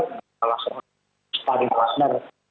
di salah sepanjang sepadan pasar